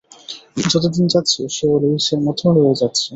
যতদিন যাচ্ছে সেও লুইসের মতো হয়ে যাচ্ছে।